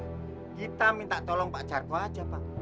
setuju pak lurar kita minta tolong pak charco aja pak